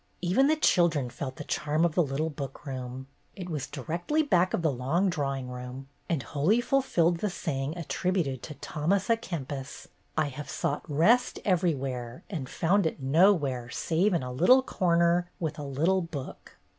Even the children felt the charm of the little book room. It was directly back of the long drawing room, and wholly fulfilled the saying attributed to Thomas a Kempis: "I have sought rest everywhere, and found it nowhere save in a little corner, with a little book."